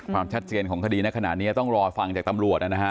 ความชัดเจนของคดีในขณะนี้ต้องรอฟังจากตำรวจนะฮะ